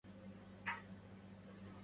الحمد لله الذي لا يفي